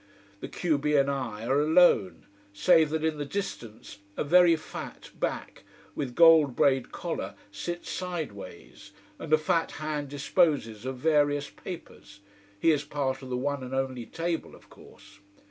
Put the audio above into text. The q b and I are alone save that in the distance a very fat back with gold braid collar sits sideways and a fat hand disposes of various papers he is part of the one and only table, of course.